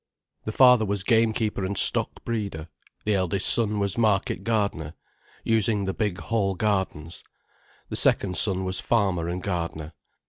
The father was gamekeeper and stock breeder, the eldest son was market gardener, using the big hall gardens, the second son was farmer and gardener.